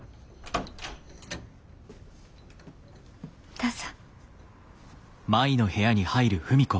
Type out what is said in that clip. どうぞ。